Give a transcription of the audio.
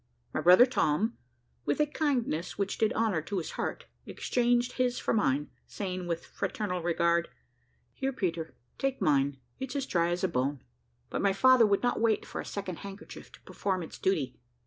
My brother Tom, with a kindness which did honour to his heart, exchanged his for mine, saying, with fraternal regard, "Here, Peter, take mine, it's as dry as a bone." But my father would not wait for a second handkerchief to perform its duty.